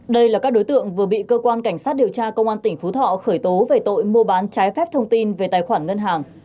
đây là các đối tượng vừa bị cơ quan cảnh sát điều tra công an tỉnh phú thọ khởi tố về tội mua bán trái phép thông tin về tài khoản ngân hàng